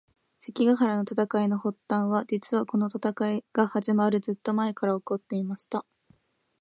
関ヶ原の戦いの発端は、実はこの戦いが始まるずっと前から起こっていました。